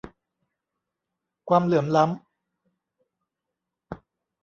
ความเหลื่อมล้ำ